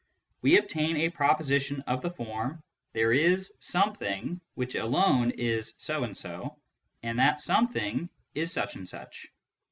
we obtain a proposition of the form :" There is something which alone is so and so, and that something is such and such."